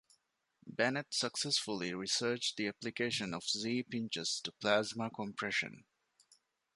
Bennet successfully researched the application of Z-pinches to plasma compression.